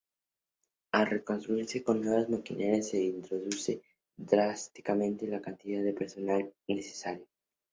Al reconstruirse con nuevas maquinarias, se reduce drásticamente la cantidad de personal necesario.